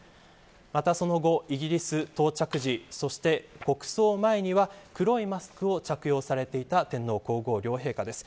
また、その後イギリス到着時そして国葬前には黒いマスクを着用されていた天皇皇后両陛下です。